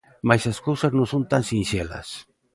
Mais as cousas non son tan sinxelas.